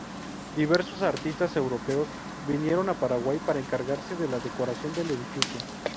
Diversos artistas europeos vinieron al Paraguay para encargarse de la decoración del edificio.